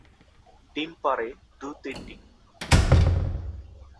ডিম পাড়ে দু-তিনটি।